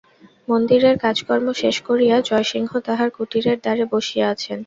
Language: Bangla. মন্দিরের কাজকর্ম শেষ করিয়া জয়সিংহ তাঁহার কুটিরের দ্বারে বসিয়া আছেন।